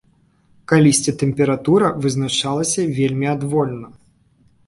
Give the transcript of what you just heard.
Калісьці тэмпература вызначалася вельмі адвольна.